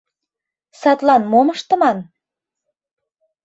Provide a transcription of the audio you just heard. Садлан мом ыштыман?